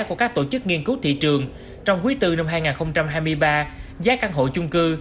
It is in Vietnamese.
của các tổ chức nghiên cứu thị trường trong quý bốn năm hai nghìn hai mươi ba giá căn hộ chung cư